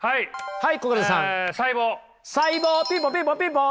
はい。